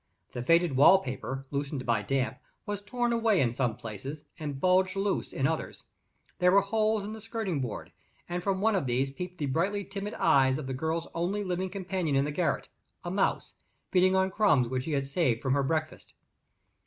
The faded wall paper, loosened by damp, was torn away in some places, and bulged loose in others. There were holes in the skirting board; and from one of them peeped the brightly timid eyes of the child's only living companion in the garret a mouse, feeding on crumbs which she had saved from her breakfast.